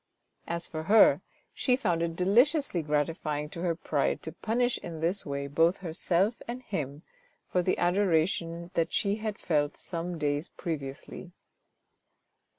As for her, she found it deliciously gratifying to her pride to punish in this way both herself and him for the adoration that she had felt some days previously.